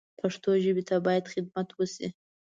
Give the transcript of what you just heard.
پښتو ژبې ته باید خدمت وشي